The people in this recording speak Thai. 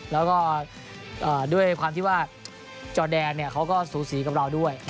แล้วก็ด้วยความที่ว่าจอแดนเขาก็สูสีกับเราด้วย